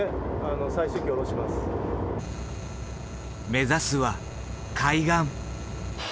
目指すは海岸。